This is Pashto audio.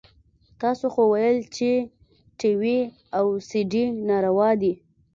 تاسو خو ويل چې ټي وي او سي ډي ناروا دي.